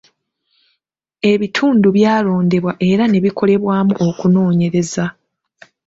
Ebitundu byalondebwa era ne bikolebwamu okunoonyereza.